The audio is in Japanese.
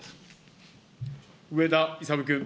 上田勇君。